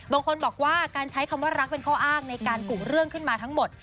บางคนบอกว่าการใช้คำว่ารักเป็นข้ออ้างในการกลุ่มเรื่องขึ้นมาทั้งหมด